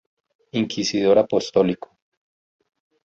Inquisidor Apostólico.